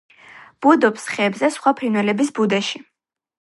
ბუდობს ხეებზე სხვა ფრინველების ბუდეში.